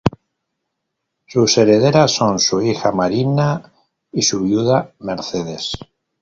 Sus herederas son su hija Marina y su viuda Mercedes.